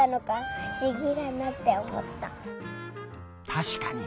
たしかに。